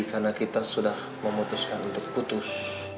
karena kita sudah memutuskan untuk putus